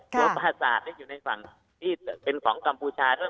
หัวปราศาสตร์อยู่ในฝั่งที่เป็นของกัมพูชาด้วย